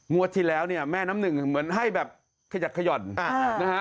ที่แล้วเนี่ยแม่น้ำหนึ่งเหมือนให้แบบขยักขย่อนนะฮะ